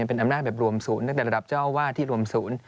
เป็นอำนาจแบบรวมศูนย์ตั้งแต่ระดับเจ้าวาดที่รวมศูนย์